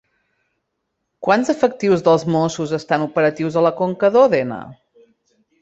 Quants efectius dels Mossos estan operatius a la Conca d'Òdena?